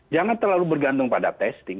jangan terlalu bergantung pada testing